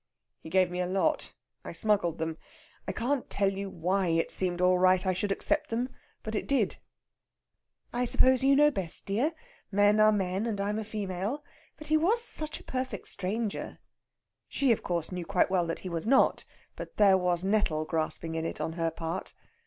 "He gave me a lot. I smuggled them. I can't tell you why it seemed all right I should accept them. But it did." "I suppose you know best, dear. Men are men, and I'm a female. But he was such a perfect stranger." She, of course, knew quite well that he was not, but there was nettle grasping in it on her part.